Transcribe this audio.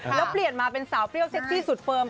แล้วเปลี่ยนมาเป็นสาวเปรี้ยวเซ็กซี่สุดเฟิร์ม